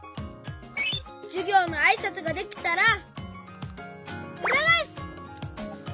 じゅぎょうのあいさつができたらうらがえす！